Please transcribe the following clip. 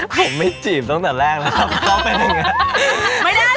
ผมไม่จีบตั้งแต่แรกแล้วครับน้องเป็นอย่างนั้น